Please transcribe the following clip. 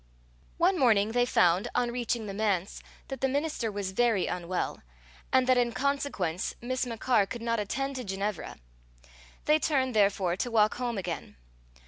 One morning they found, on reaching the manse, that the minister was very unwell, and that in consequence Miss Machar could not attend to Ginevra; they turned, therefore, to walk home again.